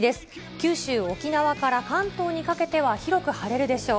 九州、沖縄から関東にかけては、広く晴れるでしょう。